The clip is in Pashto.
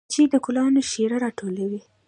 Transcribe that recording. مچۍ د ګلانو شیره راټولوي